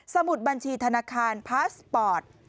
มุดบัญชีธนาคารพาสปอร์ต